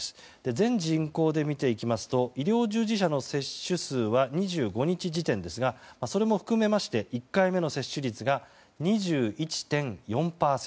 全人口で見ていきますと医療従事者の接種数は２５日時点ですがそれも含めまして１回目の接種率が２１．４％。